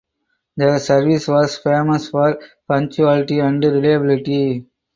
The service was famous for punctuality and reliability.